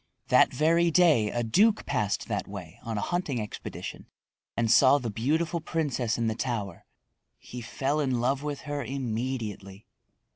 That very day a duke passed that way on a hunting expedition and saw the beautiful princess in the tower. He fell in love with her immediately.